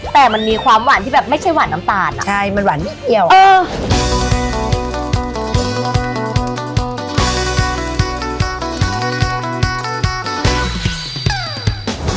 แต่มันมีความหวานที่แบบไม่ใช่หวานน้ำตาลอ่ะใช่มันหวานนิดเดียว